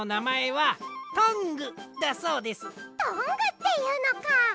トングっていうのか！